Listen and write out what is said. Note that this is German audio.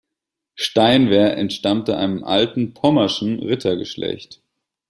Steinwehr entstammte einem alten pommerschen Rittergeschlecht.